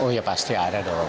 oh ya pasti ada dong